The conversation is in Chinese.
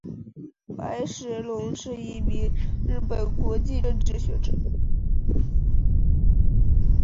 白石隆是一名日本国际政治学者。